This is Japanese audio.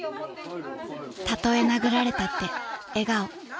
［たとえ殴られたって笑顔］